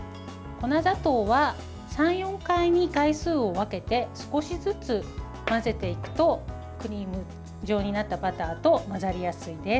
粉砂糖は３４回に回数を分けて少しずつ混ぜていくとクリーム状になったバターと混ざりやすいです。